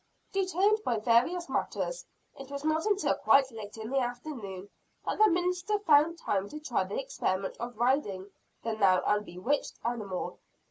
Detained by various matters, it was not until quite late in the afternoon, that the minister found time to try the experiment of riding the now unbewitched animal.